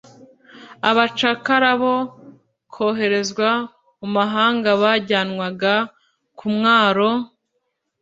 Abacakara bo koherezwa mu mahanga bajyanwaga ku mwaro,